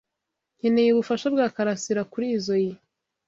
Nkeneye ubufasha bwa Karasira kurizoi.